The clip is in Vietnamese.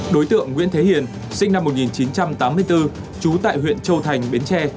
đối tượng nguyễn thế hiền sinh năm một nghìn chín trăm tám mươi bốn trú tại huyện châu thành bến tre